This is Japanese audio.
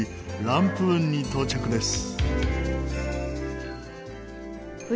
ランプーンに到着です。